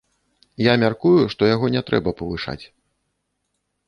Я мяркую, што яго не трэба павышаць.